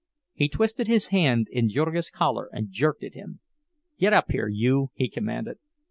He twisted his hand in Jurgis's collar and jerked at him. "Git up here, you!" he commanded.